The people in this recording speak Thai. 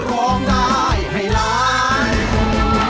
ร้องได้ให้ล้าน